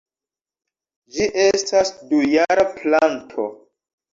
Ĝi estas dujara planto.